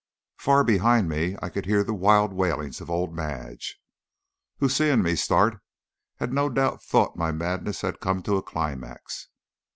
Far behind me I could hear the wild wailings of old Madge, who, seeing me start, thought no doubt that my madness had come to a climax.